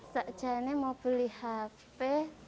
sejak ini mau beli hp terus ibu tidak merestui